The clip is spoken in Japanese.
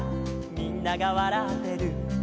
「みんながわらってる」